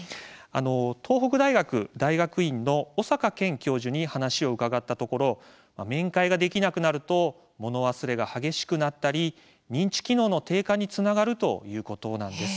東北大学大学院の小坂健教授に話を伺ったところ面会ができなくなると物忘れが激しくなったり認知機能の低下につながるということです。